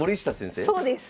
そうです！